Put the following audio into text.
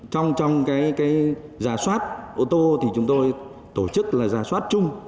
trong cái giá soát ô tô thì chúng tôi tổ chức là giá soát chung